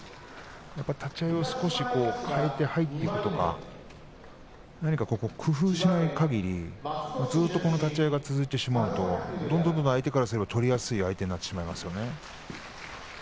立ち合いを少し変えて入っていくとか何か工夫しないかぎりずっとその立ち合いが続いてしまうと、どんどん相手にとっては取りやすい相手になってしまいますね。